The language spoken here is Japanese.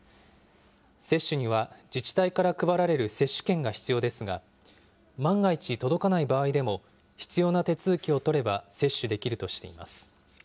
接種には、自治体から配られる接種券が必要ですが、万が一、届かない場合でも、必要な手続きを取れば、接種できるとしています。